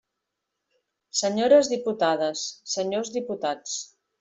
Senyores diputades, senyors diputats.